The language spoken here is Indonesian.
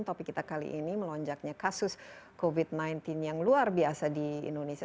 topik kita kali ini melonjaknya kasus covid sembilan belas yang luar biasa di indonesia